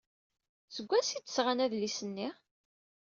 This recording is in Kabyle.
Seg wansi ay d-sɣan adlis-nni?